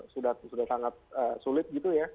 sudah sangat sulit